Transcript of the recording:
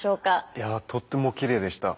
いやとってもきれいでした。